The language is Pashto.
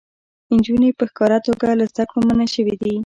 نجونې په ښکاره توګه له زده کړو منع شوې دي.